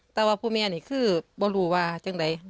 เต้าว่าพ่อแม่ขือบอรู้ว่าจะไหน